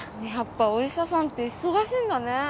やっぱお医者さんって忙しいんだね。